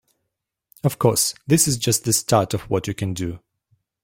Of course, this is just the start of what you can do.